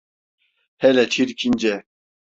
Hele Çirkince…